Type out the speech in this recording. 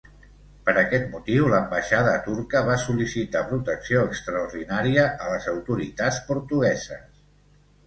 Per aquest motiu, l'ambaixada turca va sol·licitar protecció extraordinària a les autoritats portugueses.